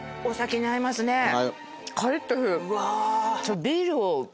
カリッとする。